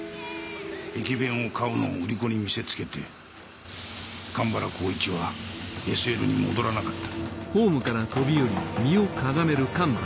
駅弁を買うのを売り子に見せつけて神原孝一はＳＬに戻らなかった。